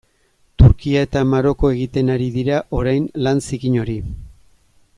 Turkia eta Maroko egiten ari dira orain lan zikin hori.